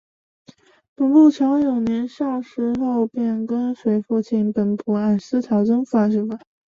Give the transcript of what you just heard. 本部朝勇年少的时候便跟随父亲本部按司朝真学习祖传的拳法。